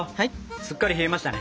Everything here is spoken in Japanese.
すっかり冷えましたね。